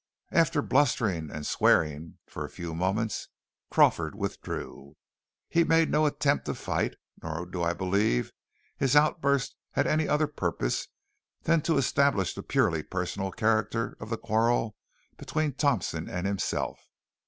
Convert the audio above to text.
After blustering and swearing for a few moments Crawford withdrew. He made no attempt to fight, nor do I believe his outburst had any other purpose than to establish the purely personal character of the quarrel between Thompson and himself.